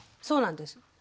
そうなんです。